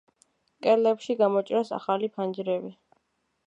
კედლებში გამოჭრეს ახალი ფანჯრები.